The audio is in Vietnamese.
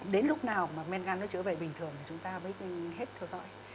đến lúc nào mà mẹn gan nó trở về bình thường thì chúng ta phải hết theo dõi